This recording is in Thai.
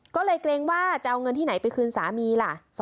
ก็เลยเกรงว่าจะเอาเงินที่ไหนไปคืนสามีล่ะ